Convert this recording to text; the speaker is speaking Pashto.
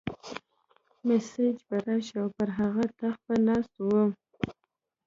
مسیح به راشي او پر هغه تخت به ناست وي.